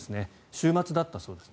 週末だったそうです。